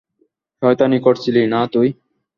শয়তানি করছিলি না তুই?